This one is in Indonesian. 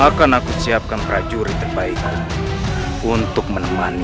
akan aku siapkan prajurit terbaik untuk menemani